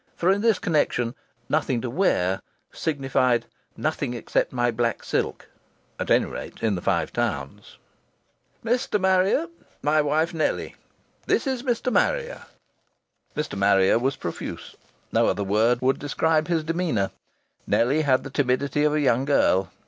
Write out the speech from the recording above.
For in this connection "nothing to wear" signified "nothing except my black silk" at any rate in the Five Towns. "Mr. Marrier my wife. Nellie, this is Mr. Marrier." Mr. Marrier was profuse: no other word would describe his demeanour. Nellie had the timidity of a young girl.